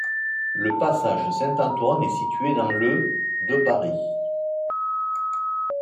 Le passage Saint-Antoine est situé dans le de Paris.